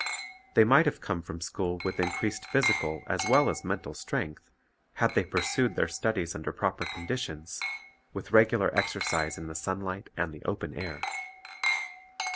They might have come from school with increased physical as well as mental strength, had they pursued their studies under proper conditions, with regular exer cise in the sunlight and the open air.